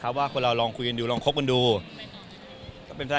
ทำไมต้องรู้ว่าคุณโสดหรือเปล่า